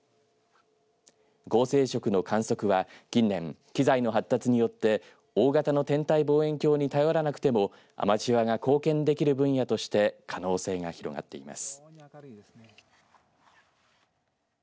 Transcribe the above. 恒星食の観測は近年機材の発達によって大型の天体望遠鏡に頼らなくてもアマチュアが貢献できる分野として可能性が広がっています。